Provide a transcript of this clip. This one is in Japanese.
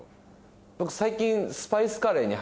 僕最近。